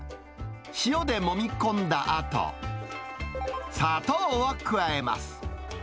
塩でもみ込んだあと、砂糖を加えます。